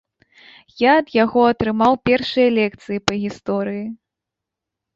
Я ад яго атрымаў першыя лекцыі па гісторыі.